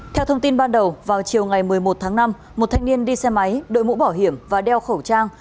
theo thông tin ban đầu vào chiều ngày một mươi một tháng năm một thanh niên đi xe máy đội mũ bảo hiểm và đeo khẩu trang